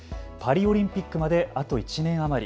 パリオリンピックまであと１年余り。